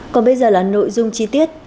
còn bây giờ là nội dung chi tiết